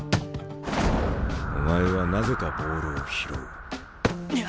お前はなぜかボールを拾う。